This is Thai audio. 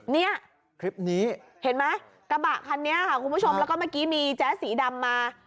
เนี่ยคลิปนี้เห็นไหมกระบะคันนี้ค่ะคุณผู้ชมแล้วก็เมื่อกี้มีแจ๊สสีดำมา